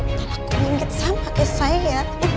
lelaku minggit sama ke saya